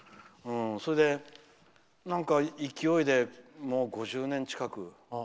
それで、勢いで５０年近く。